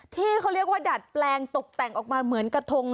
ที่เขาเรียกว่าดัดแปลงตกแต่งออกมาเหมือนกระทง